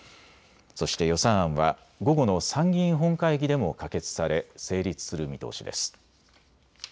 そして予算案は午後の参議院本会議でも可決され成立する見通しです。